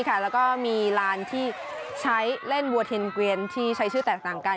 แล้วก็มีลานที่ใช้เล่นวัวเทนเกวียนที่ใช้ชื่อแตกต่างกัน